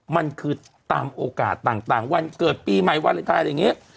มันคือตามโอกาสต่างวันเกิดปีใหม่วันอะไรแบบนี้